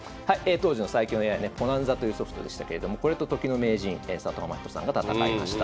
当時の最強のＡＩねｐｏｎａｎｚａというソフトでしたけれどもこれと時の名人佐藤天彦さんが戦いました。